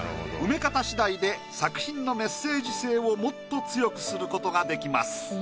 埋め方次第で作品のメッセージ性をもっと強くすることができます。